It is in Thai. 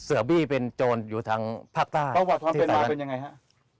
เสื้อบี้เป็นโจรอยู่ทางภาคซ่านที่ไซน์ประวัติความเป็นมากเป็นอย่างไรครับ